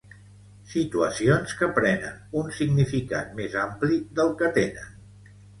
situacions que prenen un significat més ampli del que tenen